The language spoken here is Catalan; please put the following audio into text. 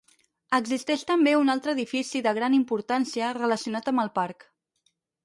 Existeix també un altre edifici de gran importància relacionat amb el parc.